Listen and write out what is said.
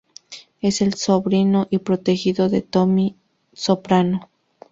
Es el sobrino y protegido de Tony Soprano.